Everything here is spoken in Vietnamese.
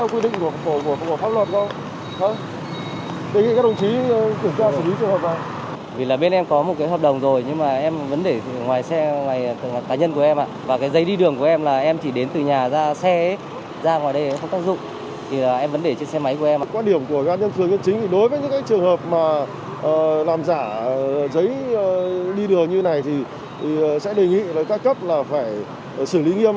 quá điểm của gã nhân phương chính thì đối với những trường hợp làm giả giấy đi đường như này thì sẽ đề nghị các cấp phải xử lý nghiêm